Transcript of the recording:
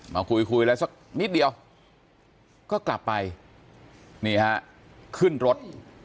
มาคุยคุยอะไรสักนิดเดียวก็กลับไปนี่ฮะขึ้นรถ